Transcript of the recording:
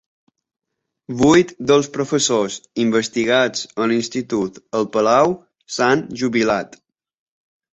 Vuit dels professors investigats a l'institut el Palau s'han jubilat